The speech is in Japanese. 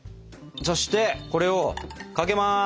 そしてこれをかけます！